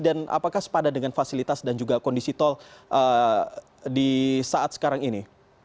dan apakah sepada dengan fasilitas dan juga kondisi tol di saat sekarang ini